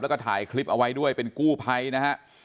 แล้วก็ถ่ายคลิปเอาไว้ด้วยเป็นกู้ภัยนะฮะ